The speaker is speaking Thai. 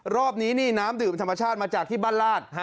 รอบนี้นี่น้ำดื่มธรรมชาติมาจากที่บ้านราช